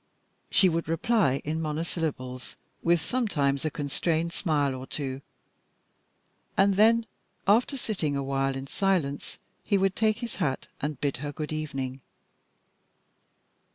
She would reply in monosyllables, with sometimes a constrained smile or two, and then, after sitting a while in silence, he would take his hat and bid her good evening.